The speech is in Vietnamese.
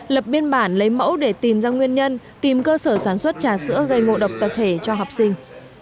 lập biên bản lấy mẫu để tìm ra nguyên nhân tìm cơ sở sản xuất trà sữa gây ngộ độc tập thể cho học sinh